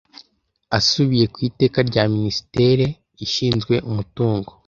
Asubiye ku Iteka rya Minisitire ishinzwe umutungo